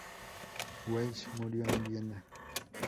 Weiss murió en Viena.